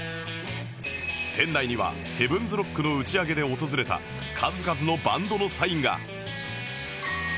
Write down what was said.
店内には ＨＥＡＶＥＮ’ＳＲＯＣＫ の打ち上げで訪れた数々のバンドのサインが！